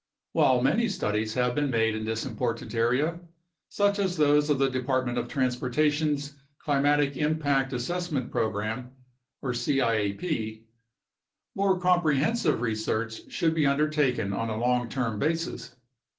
While many studies have been made in this important area, such as those of the Department of Transportation's Climatic Impact Assessment Program (ciap), more comprehensive research should be undertaken on a long term basis.